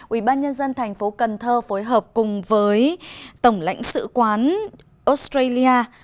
ủy ban nhân dân thành phố cần thơ phối hợp cùng với tổng lãnh sự quán australia